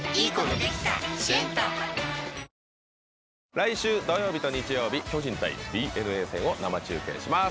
来週土曜日と日曜日巨人対ＤｅＮＡ戦を生中継します。